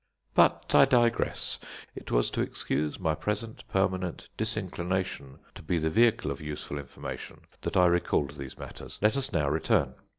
But I digress. It was to excuse my present permanent disinclination to be the vehicle of useful information that I recalled these matters. Let us now return.